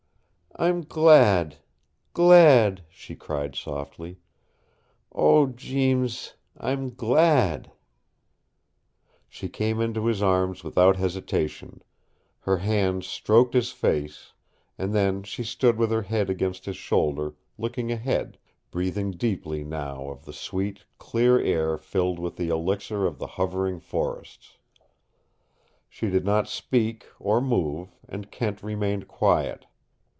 "I'm glad glad," she cried softly. "Oh, Jeems I'm glad!" She came into his arms without hesitation; her hands stroked his face; and then she stood with her head against his shoulder, looking ahead, breathing deeply now of the sweet, clear air filled with the elixir of the hovering forests. She did not speak, or move, and Kent remained quiet.